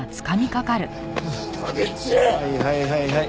はいはいはいはい。